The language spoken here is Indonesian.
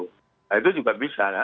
nah itu juga bisa